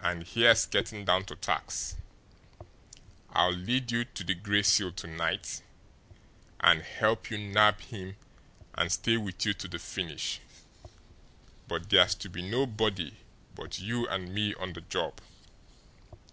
And here's getting down to tacks! I'll lead you to the Gray Seal to night and help you nab him and stay with you to the finish, but there's to be nobody but you and me on the job.